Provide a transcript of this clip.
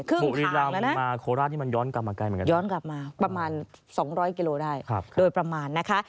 ครึ่งทางแล้วนะย้อนกลับมาประมาณ๒๐๐กิโลได้โดยประมาณนะคะ